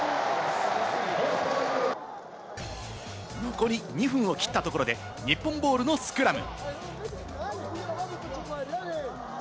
残り２分を切ったところで、日本ボールのスクラム。